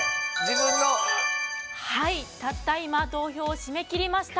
たった今、投票を締め切りました。